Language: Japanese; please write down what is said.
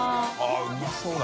あっうまそう。